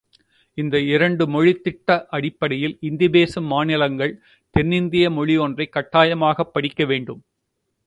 இந்த இரண்டு மொழித் திட்ட அடிப்படையில் இந்தி பேசும் மாநிலங்கள் தென் இந்திய மொழி ஒன்றைக் கட்டாயமாகப் படிக்கவேண்டும்.